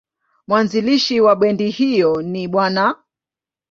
Mwanzilishi wa bendi hiyo ni Bw.